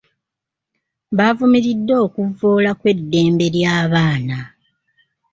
Baavumiridde okuvvoola kw'eddembe ly'abaana.